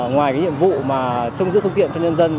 ngoài nhiệm vụ trông giữ phương tiện cho nhân dân